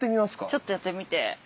ちょっとやってみて。